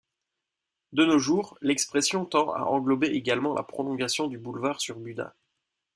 De nos jours, l'expression tend à englober également la prolongation du boulevard sur Buda.